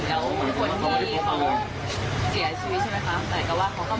แล้วทุกคนที่เขาเสียชีวิตใช่ไหมคะแต่ก็ว่าเขาก็